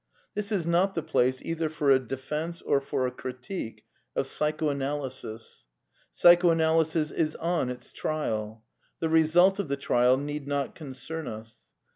This is not the place either for a defence or for a critique of Psychoanalysis.* Psycho analysis is on its trial. The result of the trial need not concern us.